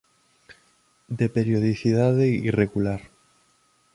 De periodicidade irregular.